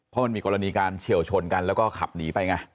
เพราะมันมีกรณีการเฉียวชนกันแล้วก็ขับหนีไปไง